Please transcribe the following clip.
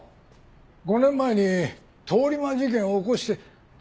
５年前に通り魔事件を起こして死んだ奴だろ？